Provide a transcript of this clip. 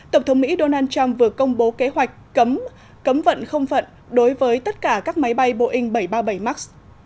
tổng thống mỹ donald trump vừa công bố kế hoạch cấm vận không phận đối với tất cả các máy bay boeing bảy trăm ba mươi bảy max